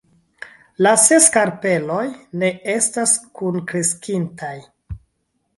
La ses karpeloj ne estas kunkreskintaj.